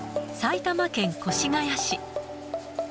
埼玉県越谷市。